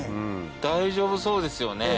大丈夫そうですよね。